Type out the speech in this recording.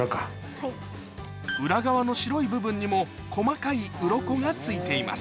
裏側の白い部分にも細かいウロコが付いています